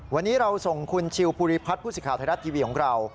วันนี้เราส่งคุณชิวภูริพัฒน์ผู้สิทธิ์ไทยรัฐทีวีของเรา